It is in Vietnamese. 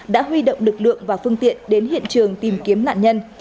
đã huy động lực lượng và phương tiện đến hiện trường tìm kiếm nạn nhân